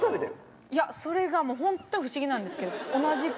いやそれが本当不思議なんですけど。